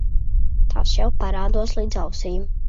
Tas jau parādos līdz ausīm.